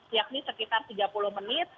yakni sekitar tiga puluh menit